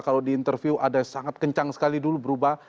kalau diinterview ada yang sangat kencang sekali dulu berubah